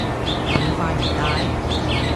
咁快唔戴？